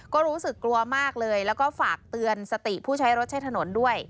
ก็รู้สึกกลัวมากเลยแล้วก็ฝากเตือนสติผู้ใช้รถใช้ถนนด้วย